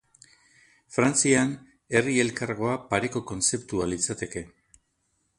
Frantzian, herri elkargoa pareko kontzeptua litzateke.